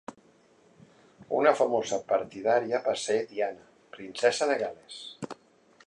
Una famosa partidària va ser Diana, Princesa de Gal·les.